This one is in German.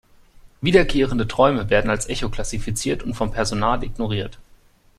Wiederkehrende Träume werden als Echo klassifiziert und vom Personal ignoriert.